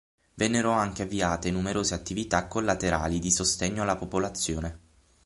Vennero anche avviate numerose attività collaterali di sostegno alla popolazione.